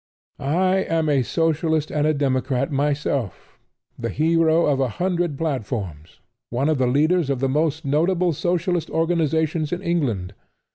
I am a Socialist and a Democrat myself, the hero of a hundred platforms, one of the leaders of the most notable Socialist organizations in England.